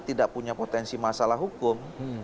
tidak punya potensi masalah hukum